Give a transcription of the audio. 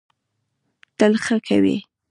تل ښه کوی.